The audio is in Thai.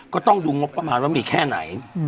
ก็ต้องดูงบประมาณว่ามีแค่ไหน